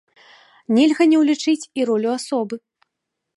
Нельга не ўлічыць і ролю асобы.